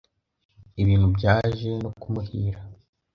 ibintu byaje no kumuhira